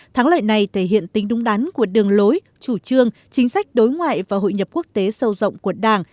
thắng lợi này thể hiện tính đúng đắn của đường lối chủ trương chính sách đối ngoại và hội nhập quốc tế sâu rộng của đảng